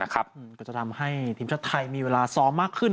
ก็จะทำให้ทีมชาติไทยมีเวลาซ้อมมากขึ้น